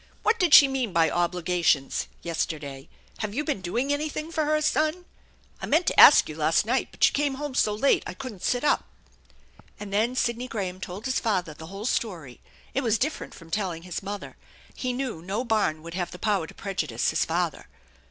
What did she mean by e obligations 9 yesterday ? Have you been doing anything for her, son ? I meant to ask you last night, but you came home so late I couldn't sit up." And then Sidney Graham told his father the whole story, It was different from telling his mother. He knew no barn would have the power to prejudice his father.